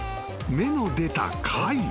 ［目の出た貝］